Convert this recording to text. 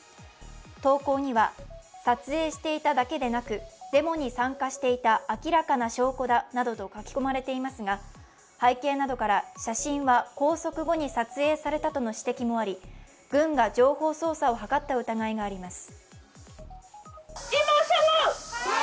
投稿には撮影していただけでなくデモに参加していた明らかな証拠だなどと書き込まれていますが背景などから、写真は拘束後に撮影されたとの指摘もあり、軍が情報操作を図った疑いがあります。